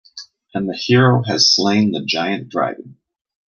And the hero has slain the giant dragon.